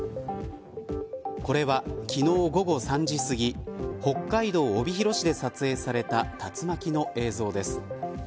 これは昨日、午後３時すぎ北海道帯広市で撮影された竜巻の映像です。